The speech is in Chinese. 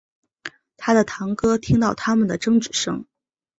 他的堂哥听到他们的争执声